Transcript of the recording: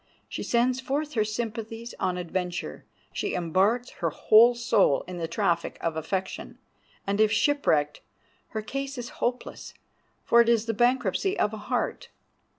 She sends forth her sympathies on adventure; she embarks her whole soul in the traffic of affection, and if shipwrecked her case is hopeless, for it is the bankruptcy of a heart.